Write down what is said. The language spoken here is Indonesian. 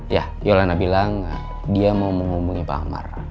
ya yolana bilang dia mau menghubungi pak amar